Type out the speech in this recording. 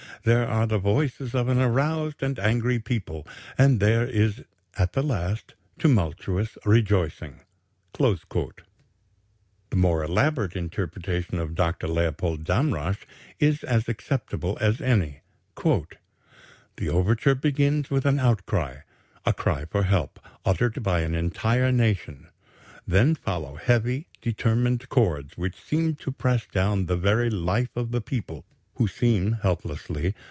There are the voices of an aroused and angry people, and there is at the last tumultuous rejoicing." The more elaborate interpretation of Dr. Leopold Damrosch is as acceptable as any: "The overture begins with an outcry a cry for help uttered by an entire nation. Then follow heavy, determined chords, which seem to press down the very life of the people, who seem helplessly